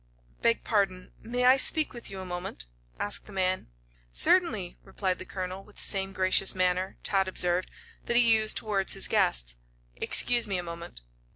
"Beg pardon; may I speak with you a moment?" asked the man. "Certainly," replied the colonel, with the same gracious manner, Tad observed, that he used toward his guests. "Excuse me a moment."